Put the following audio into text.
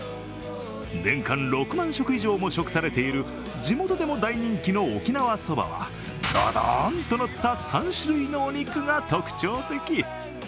年間６万食以上も食されている地元でも大人気の沖縄そばはドドンと乗った３種類のお肉が特徴的。